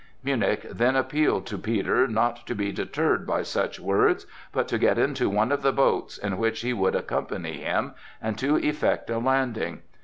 Münnich then appealed to Peter not to be deterred by such words, but to get into one of the boats, in which he would accompany him, and to effect a landing.